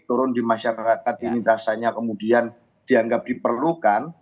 turun di masyarakat ini rasanya kemudian dianggap diperlukan